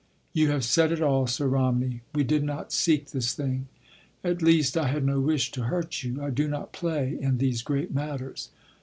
"You have said it all, Sir Romney. We did not seek this thing. At least, I had no wish to hurt you. I do not play in these great matters.